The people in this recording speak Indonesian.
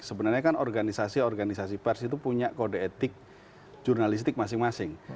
sebenarnya kan organisasi organisasi pers itu punya kode etik jurnalistik masing masing